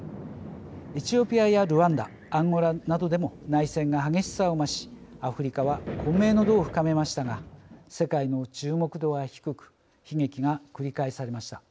エチオピアやルワンダアンゴラなどでも内戦が激しさを増しアフリカは混迷の度を深めましたが世界の注目度は低く悲劇が繰り返されました。